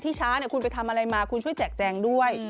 ช้าคุณไปทำอะไรมาคุณช่วยแจกแจงด้วย